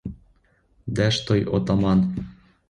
Де ж той отаман?